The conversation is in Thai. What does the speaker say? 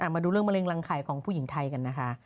มาดูเรื่องมะเร็รังไข่ของผู้หญิงไทยกันนะคะ